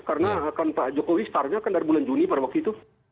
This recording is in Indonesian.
karena pak jokowi star nya kan dari bulan juni pada waktu itu